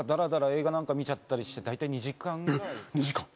映画なんか見ちゃったりして大体２時間ぐらいっすえっ！？